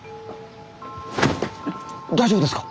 大丈夫ですか？